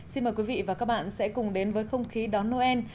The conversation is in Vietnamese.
xin mời quý vị và các bạn sẽ cùng đến với không khí đón noel